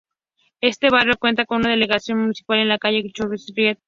Este barrio cuenta con una delegación municipal en la calle Charloun-Rieu.